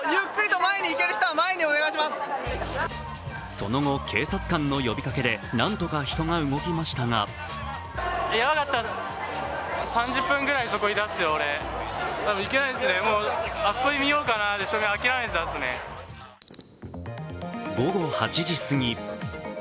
その後、警察官の呼びかけでなんとか人が動きましたが午後８時すぎ。